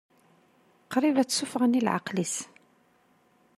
Qrib ad tt-ssufɣen i leɛqel-is.